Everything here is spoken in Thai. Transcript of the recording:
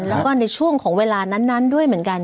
แล้วก็ในช่วงของเวลานั้นด้วยเหมือนกัน